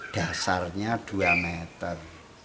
dasarnya dua meter